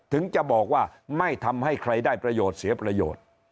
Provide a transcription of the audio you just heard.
ถึงจะบอกว่าไม่ทำให้ใครได้ประโยชน์เสียประโยชน์